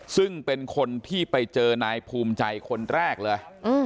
ซึ่งเป็นคนที่ไปเจอนายภูมิใจคนแรกเลย